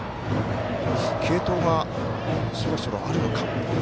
継投がそろそろあるのか。